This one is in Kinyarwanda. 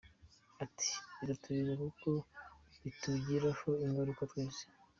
Ati “Biratureba kuko bitugiraho ingaruka twese.